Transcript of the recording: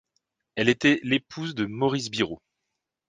Elle était l'épouse de Maurice Biraud.